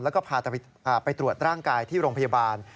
แล้วก็พาไปตรวจร่างกายที่โรงพยาบาล